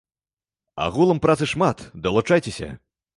Агулам працы шмат, далучайцеся!